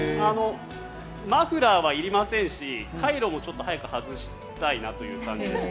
マフラーはいりませんしカイロもちょっと早く外したいなという感じでして。